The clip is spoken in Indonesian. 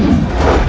ia masih terbrologiri